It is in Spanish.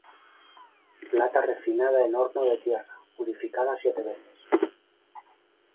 Plata refinada en horno de tierra, Purificada siete veces.